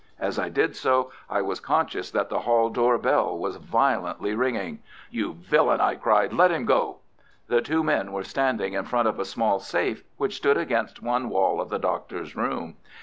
As I did so I was conscious that the hall door bell was violently ringing. "You villain!" I cried, "let him go!" The two men were standing in front of a small safe, which stood against one wall of the Doctor's room. St.